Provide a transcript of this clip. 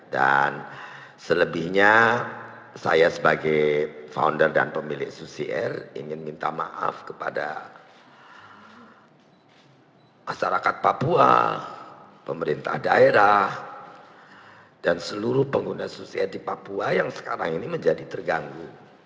dan selebihnya saya sebagai founder dan pemilik susi air ingin minta maaf kepada masyarakat papua pemerintah daerah dan seluruh pengguna susi air di papua yang sekarang ini menjadi terganggu